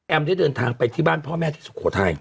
ได้เดินทางไปที่บ้านพ่อแม่ที่สุโขทัย